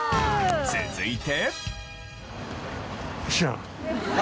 続いて。